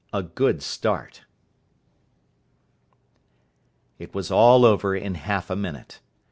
XXI A GOOD START It was all over in half a minute.